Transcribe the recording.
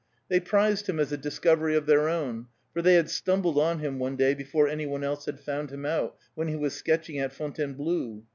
They prized him as a discovery of their own, for they had stumbled on him one day before any one else had found him out, when he was sketching at Fontainebleau.